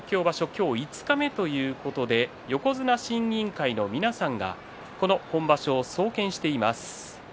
今日五日目ということで横綱審議委員会の皆さんが本場所を総見しています。